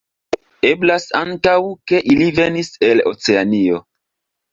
Eblas ankaŭ, ke ili venis el Oceanio.